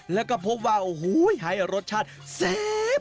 แล้วก็พบว่าโอ้โหให้รสชาติแซ่บ